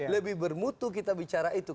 lebih bermutu kita bicara itu